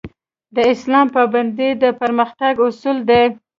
د اسلام پابندي د پرمختګ اصول دي